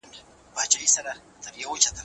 حقوقپوهان د بیان ازادۍ لپاره څه کوي؟